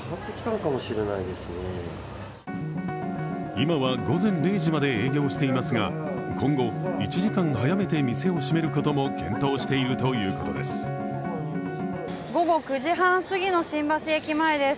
今は午前０時まで営業していますが、今後、１時間早めて店を閉めることも検討しているということです。